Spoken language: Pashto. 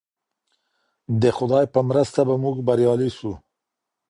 د خدای په مرسته به موږ بریالي سو.